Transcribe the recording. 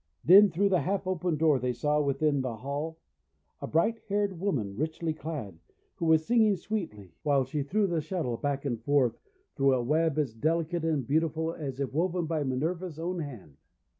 Then through the half open door they saw, within the hall, a bright haired woman richly clad, who was singing sweetly while she threw the shuttle back and forth through a web as delicate and beautiful as if woven by Minerva's own hand.